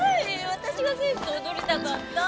私が誠二と踊りたかった